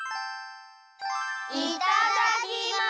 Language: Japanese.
いただきます！